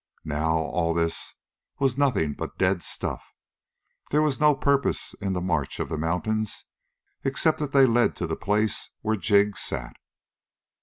Now all this was nothing but dead stuff. There was no purpose in the march of the mountains except that they led to the place where Jig sat.